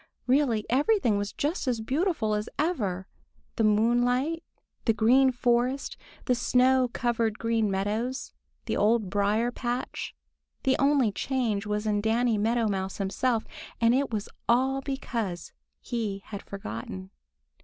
Really everything was just as beautiful as ever—the moonlight, the Green Forest, the snow covered Green Meadows, the Old Briar patch. The only change was in Danny Meadow Mouse himself, and it was all because he had forgotten.